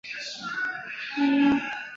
其他东京都所管公园有都立海上公园。